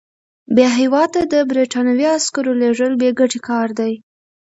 بیا هیواد ته د برټانوي عسکرو لېږل بې ګټې کار دی.